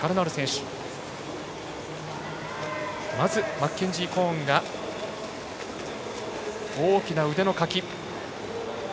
マッケンジー・コーンが大きな腕のかき。